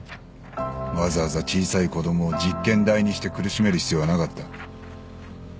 わざわざ小さい子供を実験台にして苦しめる必要はなかった。